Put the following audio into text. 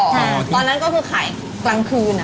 ตอนนั้นคือขายกลางคืน